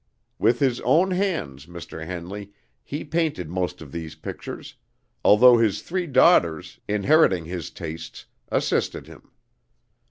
With his own hands, Mr. Henley, he painted most of these pictures, although his three daughters, inheriting his tastes, assisted him.